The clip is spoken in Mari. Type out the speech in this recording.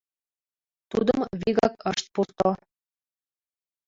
Тудым вигак ышт пурто.